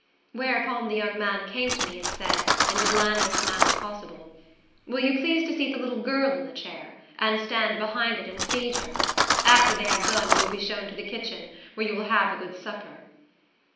Whereupon the young man came to me and said, in the blandest manner possible, "Will you please to seat the little girl in the chair, and stand behind it and feed her? After they have done, you will be shown to the kitchen, where you will have a good supper."